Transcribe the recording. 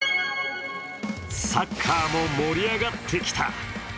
サッカーも盛り上がってきた。